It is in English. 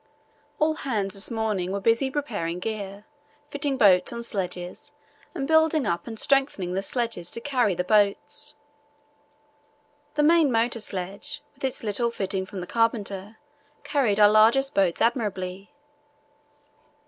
All hands this morning were busy preparing gear, fitting boats on sledges, and building up and strengthening the sledges to carry the boats.... The main motor sledge, with a little fitting from the carpenter, carried our largest boat admirably.